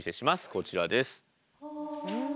こちらです。